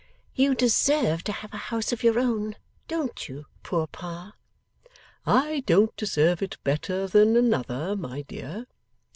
'You deserve to have a house of your own; don't you, poor pa?' 'I don't deserve it better than another, my dear.